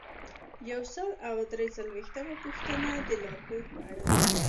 یو سل او درې څلویښتمه پوښتنه د لارښوود په اړه ده.